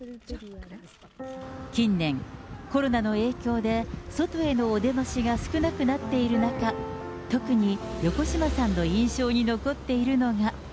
近年、コロナの影響で、外へのお出ましが少なくなっている中、特に横島さんの印象に残っているのが。